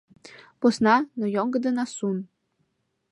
Посна, но йоҥгыдын, асун.